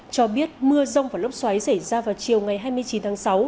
cho biết mưa rông và lốc xoáy xảy ra vào chiều ngày hai mươi chín tháng sáu